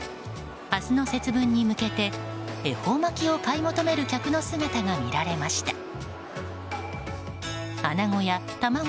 明日の節分に向けて恵方巻きを買い求める客の姿が見られました。